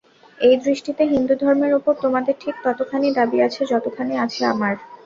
এই দৃষ্টিতে হিন্দুধর্মের উপর তোমাদের ঠিক ততখানি দাবী আছে, যতখানি আছে আমার।